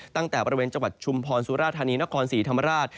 ตั้งแต่บริเวณจังหวัดชุมพรสุราธานีนครศรีธรรมราช